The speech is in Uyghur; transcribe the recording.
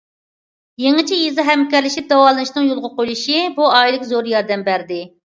يېڭىچە يېزا ھەمكارلىشىپ داۋالىنىشنىڭ يولغا قۇيۇلۇشى بۇ ئائىلىگە زور ياردەم بەردى.